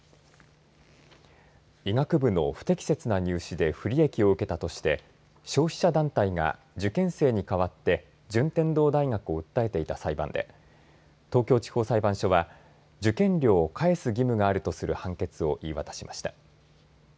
医学部の不適切な入試で不利益を受けたとして消費者団体が受験生に代わって順天堂大学を訴えていた裁判で東京地方裁判所は受験料を返す義務があるとする判決を言い渡しました。